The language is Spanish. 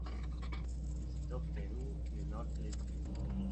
Visitó Perú y el norte de Chile.